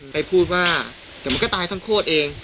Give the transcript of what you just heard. ใครพูดว่าแต่มันก็ตายทั้งโคตรเอง